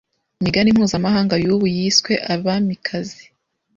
imigani mpuzamahanga yubu yiswe Abamikazi